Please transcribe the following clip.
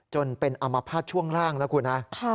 จนเป็นอามภาษณ์ช่วงร่างนะคุณฮะ